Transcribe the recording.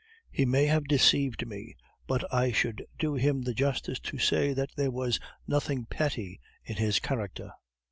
He may have deceived me, but I should do him the justice to say that there was nothing petty in his character.